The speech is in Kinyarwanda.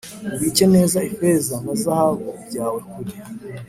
ubike neza feza na zahabu byawe kure